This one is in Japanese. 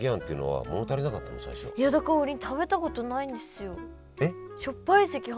いやだから王林食べたことないんですよ。え！？